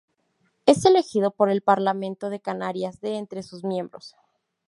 Es elegido por el Parlamento de Canarias de entre sus miembros.